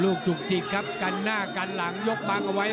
จุกจิกครับกันหน้ากันหลังยกบังเอาไว้